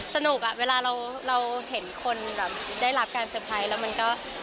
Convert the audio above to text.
สนุกอ่ะเวลาเราเห็นคนแบบได้รับการเซอร์ไพรส์แล้วมันก็มีความสุขกับด้วย